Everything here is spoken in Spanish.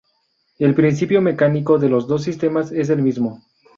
El principio mecánico de los dos sistemas es el mismo.